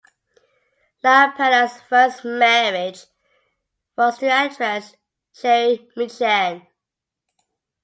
LaPaglia's first marriage was to actress Cherie Michan.